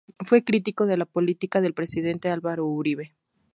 Fue crítico de la política del presidente Álvaro Uribe.